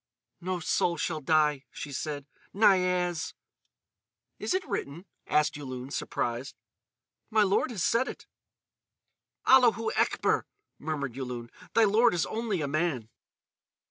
"No soul shall die," she said. "Niaz!" "Is it written?" asked Yulun, surprised. "My lord has said it." "Allahou Ekber," murmured Yulun; "thy lord is only a man."